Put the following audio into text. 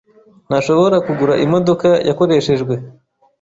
ntashobora kugura imodoka yakoreshejwe.